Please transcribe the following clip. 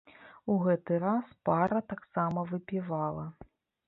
У гэты раз пара таксама выпівала.